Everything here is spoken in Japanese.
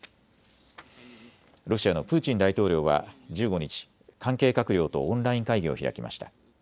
ロシアのプーチン大統領は１５日、関係閣僚とオンライン会議を開きました。